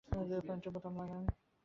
প্যান্টের বোতাম লাগান।